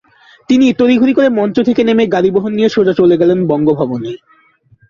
তিনি তড়িঘড়ি করে মঞ্চ থেকে নেমে গাড়িবহর নিয়ে সোজা চলে গেলেন বঙ্গভবনে।